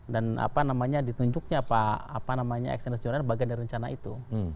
dan ditunjuknya pak ex nesjonan bagian dari rencana itu